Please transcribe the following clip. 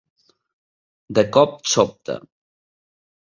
De cop sobte.